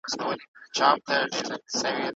تاسو به د بدلون استازي یاست.